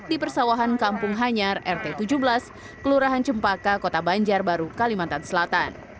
di persawahan kampung hanyar rt tujuh belas kelurahan cempaka kota banjarbaru kalimantan selatan